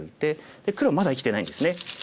で黒まだ生きてないんですね。